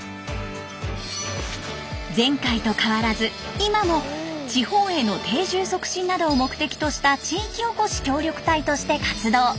前回と変わらず今も地方への定住促進などを目的とした地域おこし協力隊として活動。